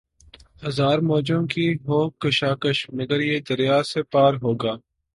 ہزار موجوں کی ہو کشاکش مگر یہ دریا سے پار ہوگا